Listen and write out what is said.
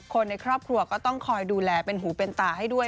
คนในครอบครัวก็ต้องคอยดูแลเป็นหูเป็นตาให้ด้วย